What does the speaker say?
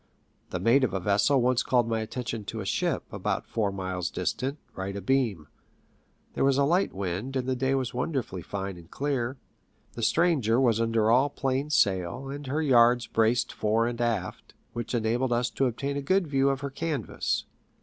The mate of a vessel once called my attention to a ship, about four miles distant, right abeam. There was a light wind, and the day was wonderfully fine and clear. The stranger was under all plain sail, and her yards braced fore and aft, which enabled us to obtain a good view of her canvas.